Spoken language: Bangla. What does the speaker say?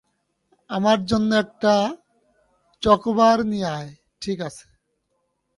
আমার জন্য একটা চকোবার নিয়ে আয়, - ঠিক আছে।